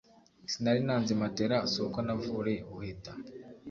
sinari nanze matera, suko navure buheta